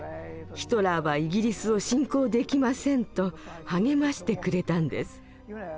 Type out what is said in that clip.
ヒトラーはイギリスを侵攻できません」と励ましてくれたんです。